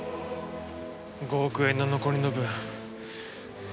５億円の残りの分。